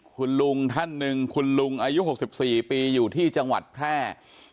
คุณลุงท่านหนึ่งคุณลุงอายุ๖๔ปีอยู่ที่จังหวัดแพร่